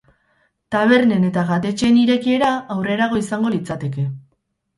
Tabernen eta jatetxeen irekiera aurrerago izango litzateke.